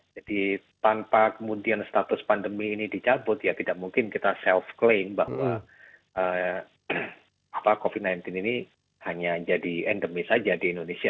jadi tanpa kemudian status pandemi ini dicabut ya tidak mungkin kita self claim bahwa covid sembilan belas ini hanya jadi endemi saja di indonesia